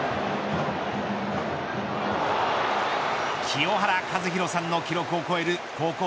清原和博さんの記録を超える高校